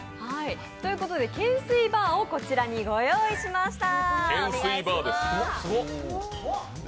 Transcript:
ということで、懸垂バーをこちらにご用意ました。